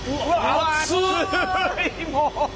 熱いもう。